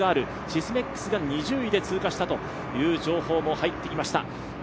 シスメックスが２０位で通過したという情報も入ってきました。